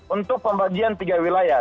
untuk pembagian tiga wilayah